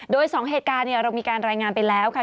โดย๒เหตุการณ์เรามีการรายงานไปแล้วค่ะ